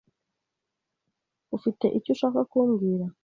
Ufite icyo ushaka kumbwira?